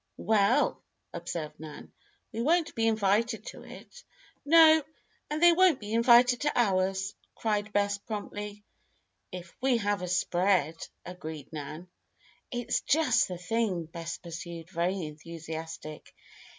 "Well," observed Nan, "we won't be invited to it." "No. And they won't be invited to ours," cried Bess, promptly. "If we have a spread," agreed Nan. "It's just the thing," Bess pursued, very enthusiastic.